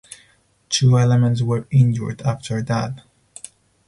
Two elements were injured after that.